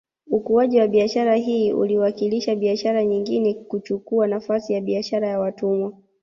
Ukuaji wa biashara hii uliwakilisha biashara nyengine kuchukua nafasi ya biashara ya watumwa